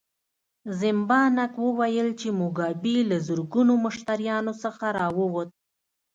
زیمبانک وویل چې موګابي له زرګونو مشتریانو څخه راووت.